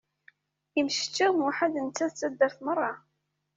Yemceččaw Muḥend netta d taddart merra!